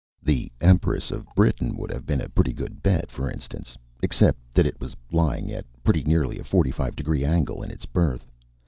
The Empress of Britain would have been a pretty good bet, for instance, except that it was lying at pretty nearly a forty five degree angle in its berth.